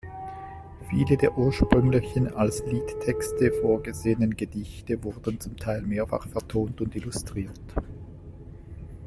Viele der ursprünglich als Liedtexte vorgesehenen Gedichte wurden zum Teil mehrfach vertont und illustriert.